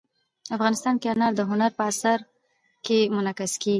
افغانستان کې انار د هنر په اثار کې منعکس کېږي.